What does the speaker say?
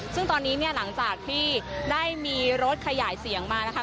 ซึ่งตอนนี้เนี่ยหลังจากที่ได้มีรถขยายเสียงมานะคะ